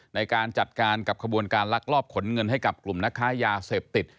ในการจัดการกับขบวนการลักลอบขนเงินให้กับกลุ่มนักค้ายาเสพติด